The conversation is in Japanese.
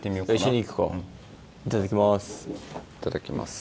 いただきます。